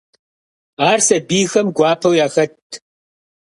Ар сабийхэм гуапэу яхэтт.